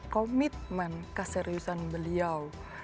komitmen keseriusan beliau